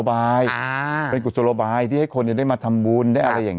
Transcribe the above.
ถูกต้องถูกต้องถูกต้องถูกต้องถูกต้องถูกต้อง